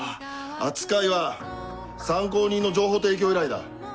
扱いは参考人の情報提供依頼だ。